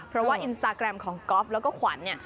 เพราะว่าอินสตาแกรมของก๊อฟแล้วก็ขวัญเนี่ย